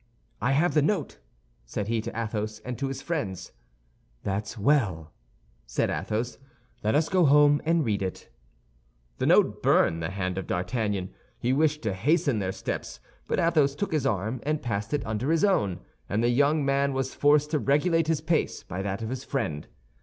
"I have the note," said he to Athos and to his friends. "That's well," said Athos, "let us go home and read it." The note burned the hand of D'Artagnan. He wished to hasten their steps; but Athos took his arm and passed it under his own, and the young man was forced to regulate his pace by that of his friend.